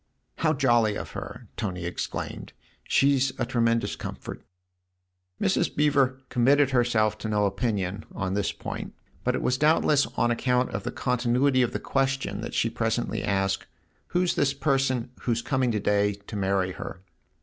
"How jolly of her!" Tony exclaimed. "She's a tremendous comfort." Mrs. Beever committed herself to no opinion on this point, but it was doubtless on account of the continuity of the question that she presently asked :" Who's this person who's coming to day to marry her?"